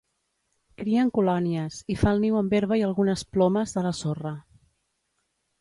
Cria en colònies i fa el niu amb herba i algunes plomes a la sorra.